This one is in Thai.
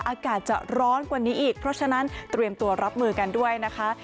อากาศจะร้อนกว่านี้อีกเพราะฉะนั้นเตรียมตัวรับมือกันด้วยนะคะ